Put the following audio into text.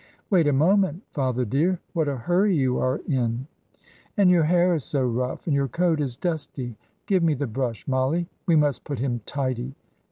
"Wait a moment, father dear. What a hurry you are in! And your hair is so rough, and your coat is dusty. Give me the brush, Mollie. We must put him tidy.